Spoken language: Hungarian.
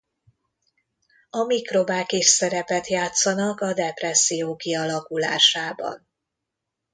A mikrobák is szerepet játszanak a depresszió kialakulásában.